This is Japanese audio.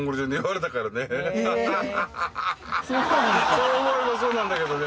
そう思えばそうなんだけどね。